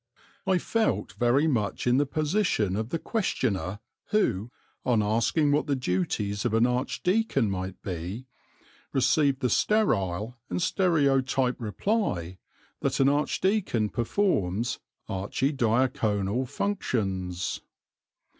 I felt very much in the position of the questioner who, on asking what the duties of an archdeacon might be, received the sterile and stereotyped reply that an archdeacon performs archidiaconal functions.